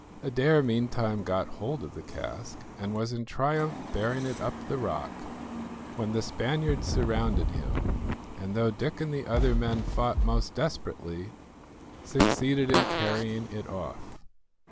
Adair meantime got hold of the cask, and was in triumph bearing it up the rock, when the Spaniards surrounded him, and, though Dick and the other men fought most desperately, succeeded in carrying it off.